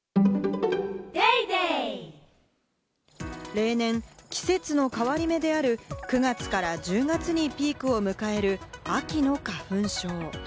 例年、季節の変わり目である９月１０月にピークを迎える秋の花粉症。